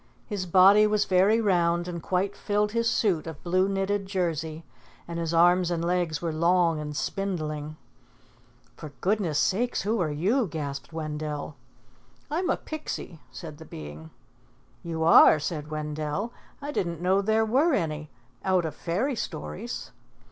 His body was very round and quite filled his suit of blue knitted jersey, and his arms and legs were long and spindling. "For goodness' sake, who are you?" gasped Wendell. "I'm a Pixie," said the being. "You are?" said Wendell. "I didn't know there were any out of fairy stories."